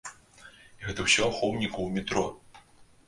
І гэта ўсё ахоўніку ў метро!